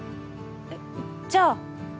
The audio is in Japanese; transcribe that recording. えっじゃあ。